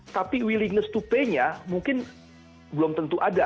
tapi willingness to pay nya mungkin belum tentu ada